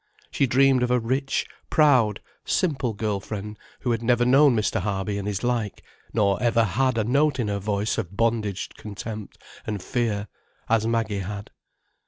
She dreamed of a rich, proud, simple girl friend, who had never known Mr. Harby and his like, nor ever had a note in her voice of bondaged contempt and fear, as Maggie had.